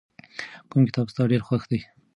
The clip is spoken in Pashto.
کوم کتاب ستا ډېر خوښ دی؟